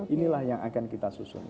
inilah yang akan kita susun